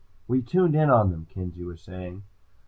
"We tuned in on them," Kenzie was saying.